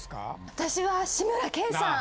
私は志村けんさん。